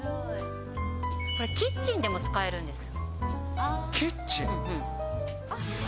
これ、キッチンでも使えるんです。